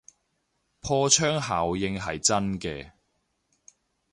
破窗效應係真嘅